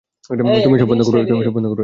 তুমি এসব বন্ধ করবে।